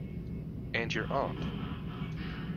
And your aunt.